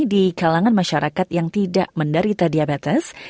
di kalangan masyarakat yang tidak menderita diabetes